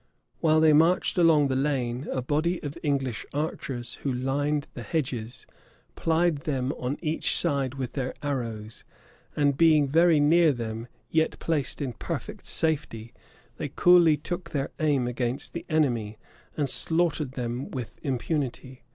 While they marched along the lane, a body of English archers, who lined the hedges, plied them on each side with their arrows; and being very near them, yet placed in perfect safety, they coolly took their aim against the enemy, and slaughtered them with impunity.